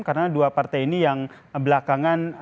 karena dua partai ini yang belakangan rame